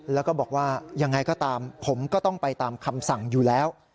แล้วก็บอกว่ายังไงก็ตามผมก็ต้องไปตามคำสั่งอยู่แล้ว